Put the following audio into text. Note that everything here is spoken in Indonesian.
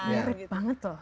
berbeda banget loh